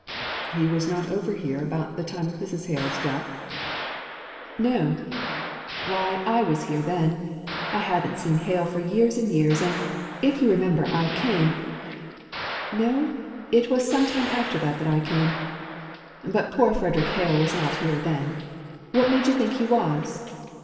"He was not over here about the time of Mrs. Hale's death?" "No. Why, I was here then. I hadn't seen Hale for years and years: and, if you remember, I came No, it was some time after that that I came. But poor Frederick Hale was not here then. What made you think he was?"